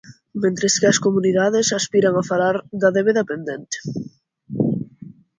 Mentres que as comunidades aspiran a falar da débeda pendente.